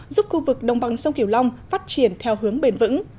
giúp khu vực đồng bằng sông kiều long phát triển theo hướng bền vững